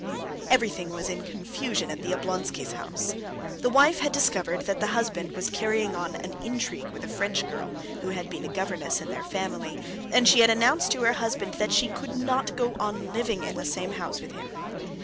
Everything was in confusion in the Oblonskys' house. The wife had discovered that the husband was carrying on an intrigue with a French girl, who had been a governess in their family, and she had announced to her husband that she could not go on living in the same house with him.